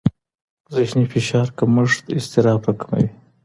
ذهني فشار کمښت اضطراب راکموي.